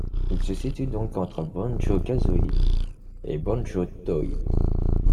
Il se situe donc entre Banjo-Kazooie et Banjo-Tooie.